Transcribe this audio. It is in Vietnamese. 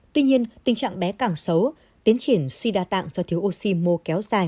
tuy nhiên tình trạng bé càng xấu tiến triển suy đa tạng do thiếu oxy mô kéo dài